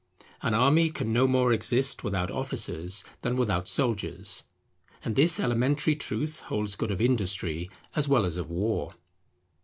An army can no more exist without officers than without soldiers; and this elementary truth holds good of Industry as well as of War.